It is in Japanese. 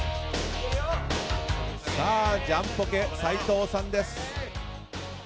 ジャンポケ、斉藤さんです。